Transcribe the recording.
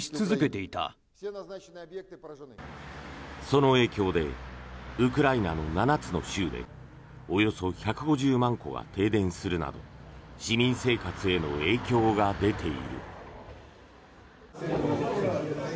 その影響でウクライナの７つの州でおよそ１５０万戸が停電するなど市民生活への影響が出ている。